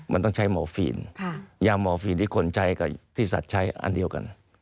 มันต้องใช้มอร์ฟีนยามอร์ฟีนที่คนใช้กับที่สัตว์ใช้อันเดียวกัน